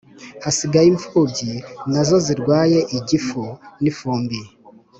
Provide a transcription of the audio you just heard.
Hasigaye imfubyi nazo zirwaye igifu n'ifumbi